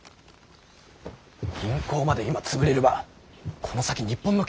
銀行まで今潰れればこの先日本の経済は。